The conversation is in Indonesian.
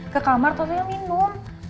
ke kamar ternyata dia minum